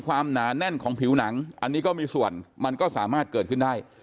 หนาแน่นของผิวหนังอันนี้ก็มีส่วนมันก็สามารถเกิดขึ้นได้